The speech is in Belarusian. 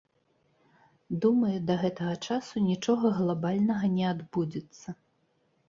Думаю, да гэтага часу нічога глабальнага не адбудзецца.